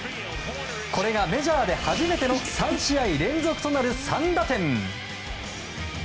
これがメジャーで初めての３試合連続となる３打点。